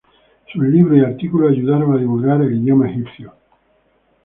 Sus libros y artículos ayudaron a divulgar el idioma egipcio.